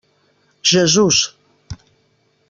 Jesús!